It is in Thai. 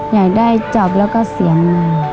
อยากได้จอบแล้วก็เสียมา